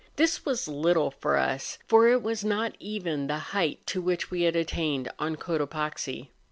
This was little for us, for it was not even the height to which we had attained on Cotopaxi.